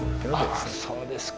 あそうですか。